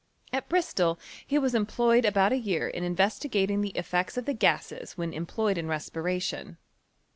At Bristol he was employed about a year in investigating the efiects of the gasea when employed in respiration.